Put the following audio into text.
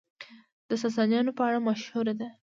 د ساسانيانو په اړه مشهوره ده،